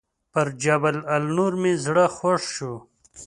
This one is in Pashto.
پر جبل النور مې زړه خوږ شو.